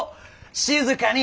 「静かに！